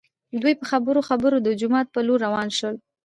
دوي په خبرو خبرو د جومات په لور راوان شول.